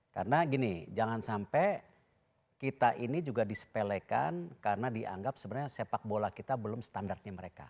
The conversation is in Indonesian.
karena gini jangan sampai kita ini juga disepelekan karena dianggap sebenarnya sepak bola kita belum standarnya mereka